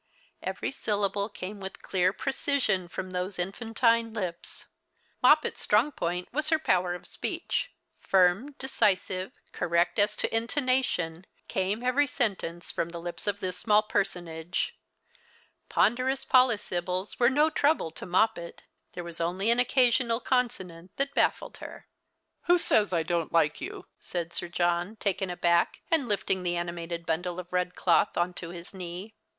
Every syllalile came A\ith clear precision from those infantine lips. 3Ioppet's strong point was her po\\er of speech. Fu m, decisive, correct as to intonation, came every sentence from the lips of this small personage. Ponderous polysyllables were no trouble to Mojjpet. There was only an occasional consonant that baffled her. " "Who says I don't like you ?" said Sir John, taken aback, and lifting the animated bundle of red cloth on to his knee.